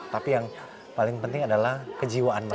tapi yang paling penting adalah kejiwaan mereka